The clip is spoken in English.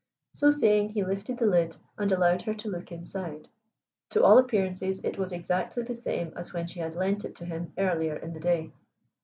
So saying he lifted the lid and allowed her to look inside. To all appearances it was exactly the same as when she had lent it to him earlier in the day.